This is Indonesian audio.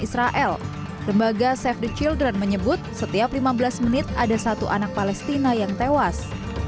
israel lembaga save the children menyebut setiap lima belas menit ada satu anak palestina yang tewas